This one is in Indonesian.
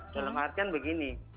dalam artian begini